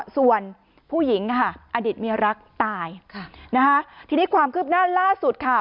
ส่วนผู้หญิงค่ะอดีตเมียรักตายค่ะนะคะทีนี้ความคืบหน้าล่าสุดค่ะ